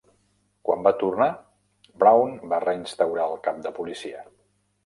Quan va tornar, Brown va reinstaurar el cap de policia.